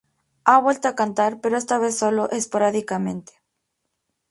Ha vuelto a cantar, pero esta vez solo esporádicamente.